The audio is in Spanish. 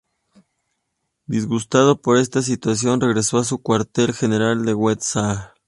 Disgustado por esta situación, regresó a su cuartel general de Wetzlar.